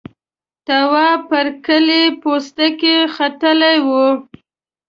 تواب پر کيلې پوستکي ختلی و.